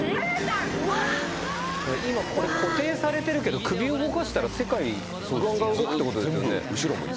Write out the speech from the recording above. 今これ固定されてるけど首動かしたら世界がんがん動くってことですよね。